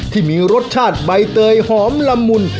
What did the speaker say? ที่มีรสชาติใบเตยหอมละมุน